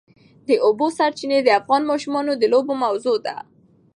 د اوبو سرچینې د افغان ماشومانو د لوبو موضوع ده.